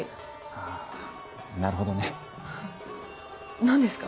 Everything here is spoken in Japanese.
あぁなるほどね。何ですか？